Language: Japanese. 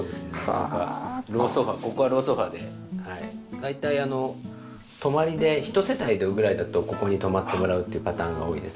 大体泊まりで１世帯ぐらいだとここに泊まってもらうっていうパターンが多いです。